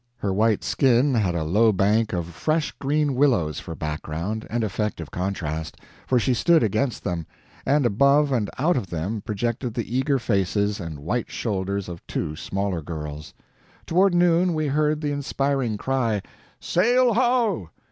Her white skin had a low bank of fresh green willows for background and effective contrast for she stood against them and above and out of them projected the eager faces and white shoulders of two smaller girls. Toward noon we heard the inspiriting cry, "Sail ho!"